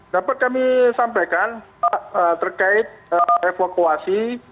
dapat kami sampaikan terkait evakuasi